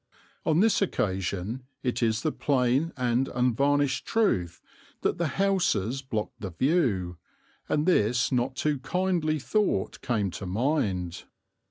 On this occasion it is the plain and unvarnished truth that the houses blocked the view, and this not too kindly thought came to mind.